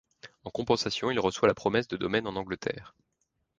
En compensation, il reçoit la promesse de domaines en Angleterre.